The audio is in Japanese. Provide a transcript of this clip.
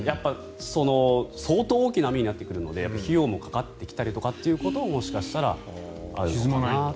相当大きな網になってくるので費用もかかってきたりということももしかしたらあるのかと。